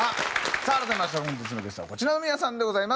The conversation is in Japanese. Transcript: さあ改めまして本日のゲストはこちらの皆さんでございます。